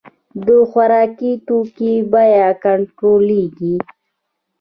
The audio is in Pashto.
د خوراکي توکو بیې کنټرولیږي